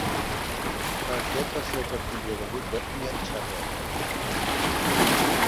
Aquest va ser el partit de debut de Ian Chappell.